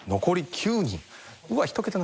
残り９人。